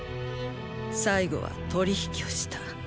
最後は取り引きをした。